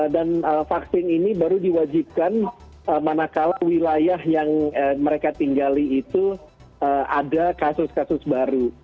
dan vaksin ini baru diwajibkan manakala wilayah yang mereka tinggali itu ada kasus kasus baru